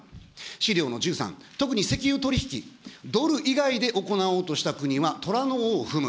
資料の１３、特に石油取り引き、ドル以外で行おうとした国は虎の尾を踏む。